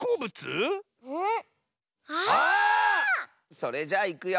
それじゃいくよ。